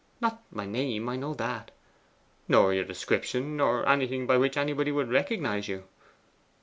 'Not my name I know that.' 'Nor your description, nor anything by which anybody would recognize you.